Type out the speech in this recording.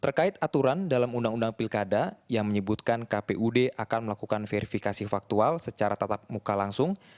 terkait aturan dalam undang undang pilkada yang menyebutkan kpud akan melakukan verifikasi faktual secara tatap muka langsung